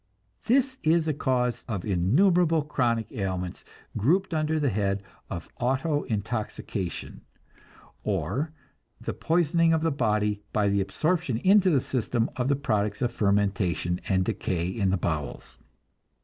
This is a cause of innumerable chronic ailments grouped under the head of auto intoxication, or the poisoning of the body by the absorption into the system of the products of fermentation and decay in the bowels.